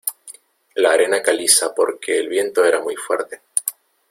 la arena caliza porque el viento era muy fuerte.